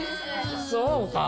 そうか。